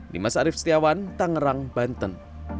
dimas arief setiawan tangerang banten